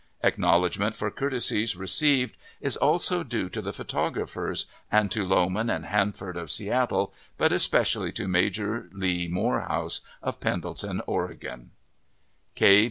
Acknowledgment for courtesies received is also due to the photographers, and to Lowman & Hanford, of Seattle, but especially to Major Lee Moorhouse, of Pendleton, Oregon.